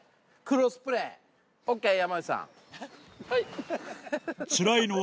はい。